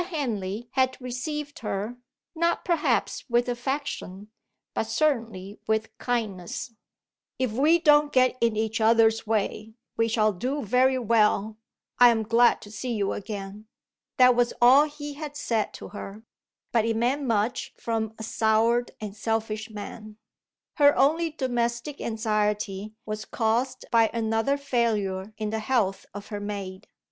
Henley had received her, not perhaps with affection, but certainly with kindness. "If we don't get in each other's way, we shall do very well; I am glad to see you again." That was all he had said to her, but it meant much from a soured and selfish man. Her only domestic anxiety was caused by another failure in the health of her maid.